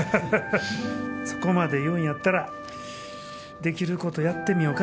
そこまで言うんやったらできることやってみよか。